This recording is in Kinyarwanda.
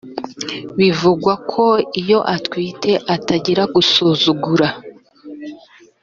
bivugwa ko iyo atwite atangira gusuzugura